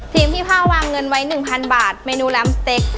ทีมพี่พ่าวางเงินไว้๑๐๐๐บาทเมนูล้ำเต็ก